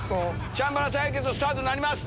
チャンバラ対決スタートになります。